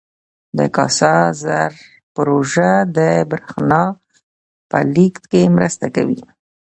د کاسا زر پروژه د برښنا په لیږد کې مرسته کوي.